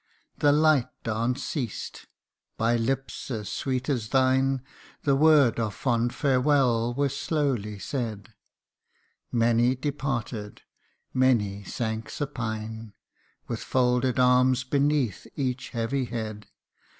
The light dance ceased by lips as sweet as thine The word of fond farewell was slowly said ; Many departed many sank supine, With folded arms beneath each heavy head.